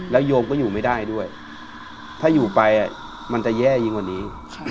โยมก็อยู่ไม่ได้ด้วยถ้าอยู่ไปมันจะแย่ยิ่งกว่านี้